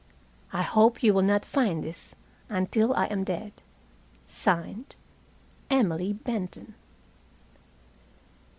I hope you will not find this until I am dead. "(Signed) EMILY BENTON."